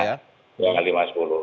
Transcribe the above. ya jam lima sepuluh